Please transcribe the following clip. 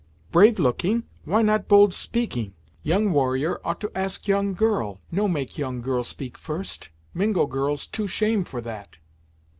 Brave looking why not bold speaking? Young warrior ought to ask young girl, no make young girl speak first. Mingo girls too shame for that."